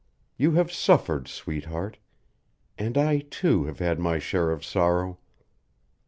You have suffered, sweetheart. And I, too, have had my share of sorrow.